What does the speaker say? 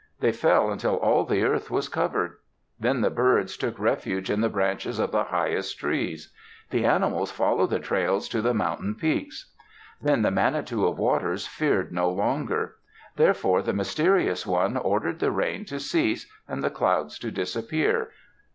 They fell until all the earth was covered. Then the birds took refuge in the branches of the highest trees. The animals followed the trails to the mountain peaks. Then the Manitou of Waters feared no longer. Therefore the Mysterious One ordered the rain to cease and the clouds to disappear.